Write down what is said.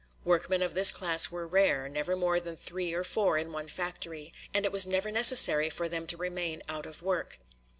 Workmen of this class were rare, never more than three or four in one factory, and it was never necessary for them to remain out of work.